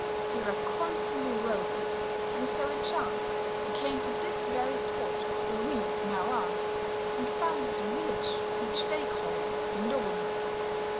They were constantly roving; and so it chanced they came to this very spot where we now are, and founded a village which they called Vindobona.